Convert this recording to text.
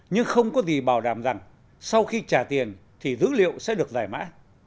nhưng không có gì bảo đảm rằng sau khi trả tiền thì dữ liệu sẽ được giải mã